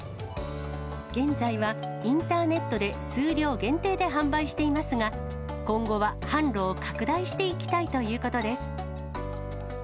現在はインターネットで数量限定で販売していますが、今後は販路を拡大していきたいということです。